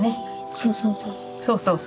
そうそうそうそう。